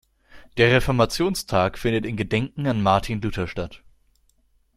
Der Reformationstag findet in Gedenken an Martin Luther statt.